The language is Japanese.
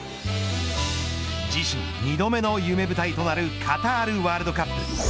自身、２度目の夢舞台となるカタールワールドカップ。